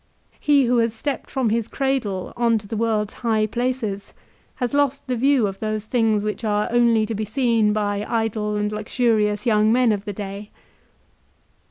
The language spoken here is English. He who has stepped from his cradle on to the world's high places has lost the view of those things which are only to be seen by idle and luxurious young men of the day.